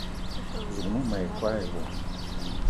Zouk mou ma yi koo e wo